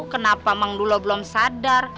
kenapa mangdulo belum sadar